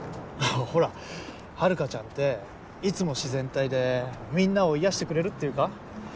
ほらハルカちゃんっていつも自然体でみんなを癒やしてくれるっていうか。